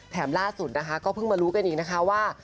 ล่าสุดนะคะก็เพิ่งมารู้กันอีกนะคะว่า